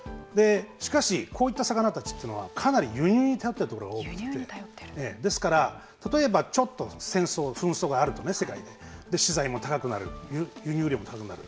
しかし、こういった魚たちというのはかなり輸入に頼っているところが多くてですから、例えば、ちょっと戦争、紛争があると世界で資材も高くなる輸入量もなくなる。